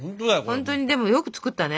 本当にでもよく作ったね。